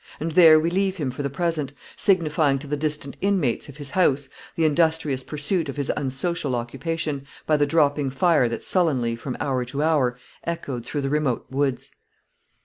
And there we leave him for the present, signifying to the distant inmates of his house the industrious pursuit of his unsocial occupation, by the dropping fire that sullenly, from hour to hour, echoed from the remote woods.